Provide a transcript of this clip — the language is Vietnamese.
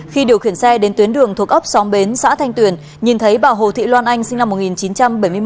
khi điều khiển xe đến tuyến đường thuộc ấp xóm bến xã thanh tuyền nhìn thấy bà hồ thị loan anh sinh năm một nghìn chín trăm bảy mươi một